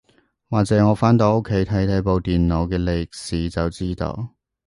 或者我返到屋企睇睇部電腦嘅歷史就知道